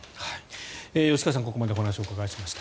吉川さんにここまでお話をお伺いしました。